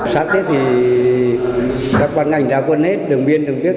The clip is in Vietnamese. sáng tết thì các bán ngành ra quân hết đường biên đường tiết